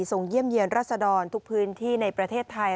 เยี่ยมเยี่ยนรัศดรทุกพื้นที่ในประเทศไทย